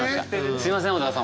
すいません小沢さん